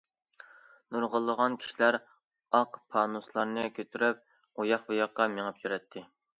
نۇرغۇنلىغان كىشىلەر ئاق پانۇسلارنى كۆتۈرۈپ ئۇياق- بۇياققا مېڭىپ يۈرەتتى.